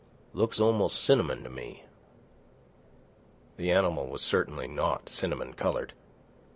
Looks almost cinnamon to me." The animal was certainly not cinnamon coloured.